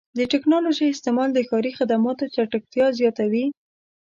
د ټکنالوژۍ استعمال د ښاري خدماتو چټکتیا زیاتوي.